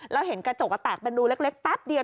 แล้วเห็นกระจกแตกเป็นรูเล็กแป๊บเดียว